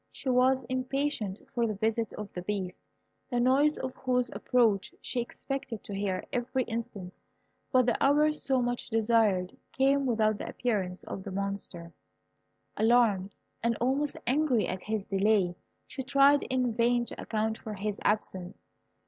She was impatient for the visit of the Beast, the noise of whose approach she expected to hear every instant. But the hour so much desired came without the appearance of the Monster. Alarmed, and almost angry at his delay, she tried in vain to account for his absence.